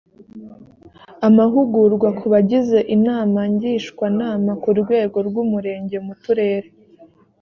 amahugurwa ku bagize inama ngishwanama ku rwego rw umurenge mu turere